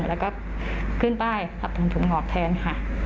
แล้วก็ขึ้นไปถอนผมงอกแทนค่ะ